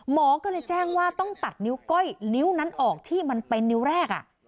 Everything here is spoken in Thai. หมอก็เลยแจ้งว่าต้องตัดนิ้วก้อยนิ้วนั้นออกที่มันเป็นนิ้วแรก